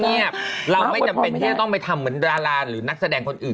ที่จะต้องไปทำเหมือนราลานหรือนักแสดงคนอื่น